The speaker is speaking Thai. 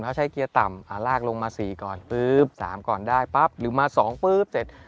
ถ้าใช้เกียร์ต่ำลากลงมา๔ก่อน๓ก่อนได้หรือมา๒เสร็จ